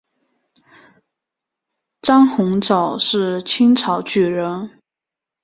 张鸿藻是清朝举人。